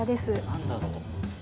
何だろう？